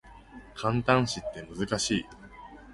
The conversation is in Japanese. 感嘆詞って難しい